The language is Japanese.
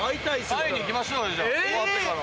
会いに行きましょうよじゃあ終わってから。